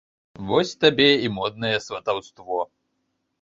Вось табе і моднае сватаўство.